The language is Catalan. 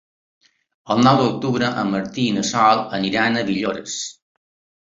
El nou d'octubre en Martí i na Sol iran a Villores.